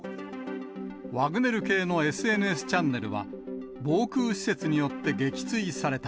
ワグネル系のＳＮＳチャンネルは、防空施設によって撃墜された。